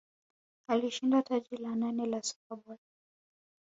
Alishinda taji la nane la SuperBowl